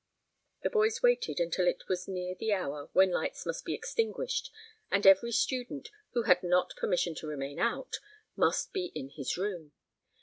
The boys waited until it was near the hour when lights must be extinguished and every student, who had not permission to remain out, must be in his room.